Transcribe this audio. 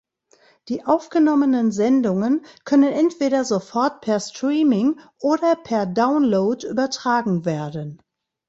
Die aufgenommenen Sendungen können entweder sofort per Streaming oder per Download übertragen werden.